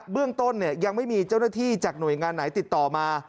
เรื่องต้นยังไม่มีเจ้าหน้าที่จากหน่วยงานไหนติดต่อมา